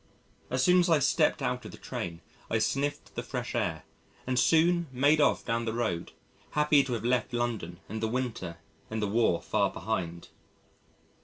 As soon as I stepped out of the train, I sniffed the fresh air and soon made off down the road, happy to have left London and the winter and the war far behind.